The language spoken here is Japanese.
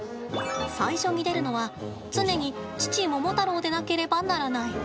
最初に出るのは常に父モモタロウでなければならない。